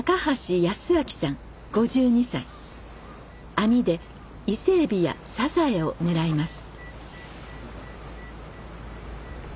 網で伊勢エビやサザエを狙います。